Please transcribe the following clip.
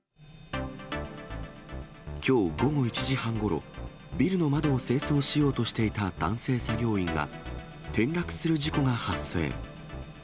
きょう午後１時半ごろ、ビルの窓を清掃しようとしていた男性作業員が、転落する事故が発生。